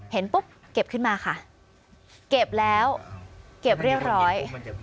เห็นปุ๊บเก็บขึ้นมาค่ะเก็บแล้วเก็บเรียบร้อย